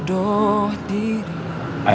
dan hai di gil muchas